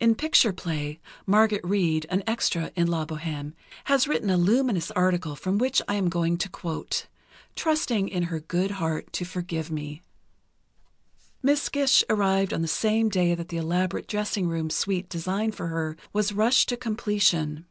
In Picture Play, Margaret Reid, an extra in "La Bohême," has written a luminous article, from which I am going to quote, trusting in her good heart to forgive me: Miss Gish arrived on the same day that the elaborate dressing room suite designed for her was rushed to completion....